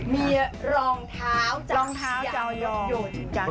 มีรองเท้าจากยางรถยนต์